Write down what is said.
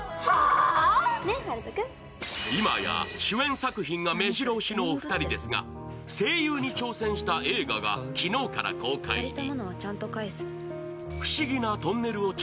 今や主演作品がめじろ押しのお二人ですが、声優に挑戦した映画が昨日から公開に。